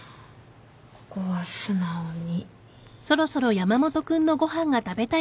ここは素直に。